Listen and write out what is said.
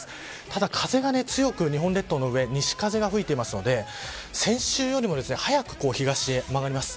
ただ風が強く、日本列島の上西風が吹いていますので先週よりも早く東へ曲がります。